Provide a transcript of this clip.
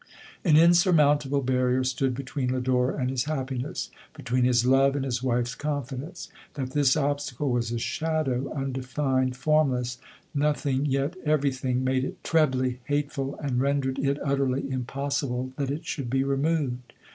An insurmountable barrier stood between Lodore and his happiness — between his love and his wife's confidence; that this obstacle was a shadow — undefined — formless — nothing — vet every thing, made it trebly hateful, and rendered it utterly impossible that it should be removed.